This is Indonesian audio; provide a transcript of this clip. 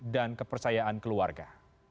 dan kepercayaan keluarga